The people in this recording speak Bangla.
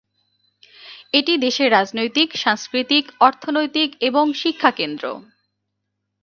এটি দেশের রাজনৈতিক, সাংস্কৃতিক, অর্থনৈতিক এবং শিক্ষা কেন্দ্র।